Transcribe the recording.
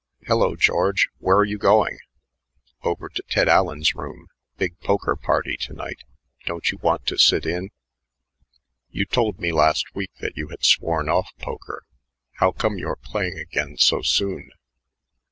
"Hello, George. Where are you going?" "Over to Ted Alien's room. Big poker party to night. Don't you want to sit in?" "You told me last week that you had sworn off poker. How come you're playing again so soon?"